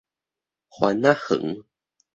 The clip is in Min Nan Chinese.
番仔園